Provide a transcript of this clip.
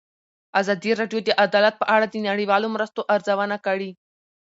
ازادي راډیو د عدالت په اړه د نړیوالو مرستو ارزونه کړې.